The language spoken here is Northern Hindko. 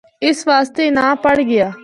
اس واسطے اے ناں پڑھ گیا۔